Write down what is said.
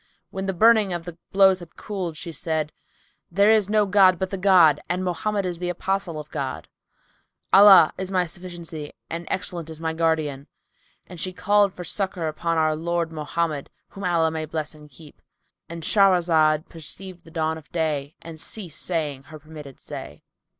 When the burning of the blows had cooled, she said, "There is no god but the God and Mohammed is the Apostle of God! Allah is my sufficiency and excellent is my Guardian!" And she called for succour upon our Lord Mohammed (whom Allah bless and keep!)—And Shahrazad perceived the dawn of day and ceased saying her permitted say.